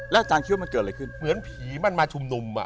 อาจารย์คิดว่ามันเกิดอะไรขึ้นเหมือนผีมันมาชุมนุม